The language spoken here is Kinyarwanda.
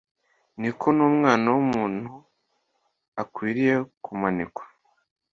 niko n'Umwana w'umunta akwiriye kumanikwa